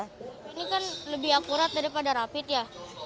ini kan lebih akurat daripada rapid ya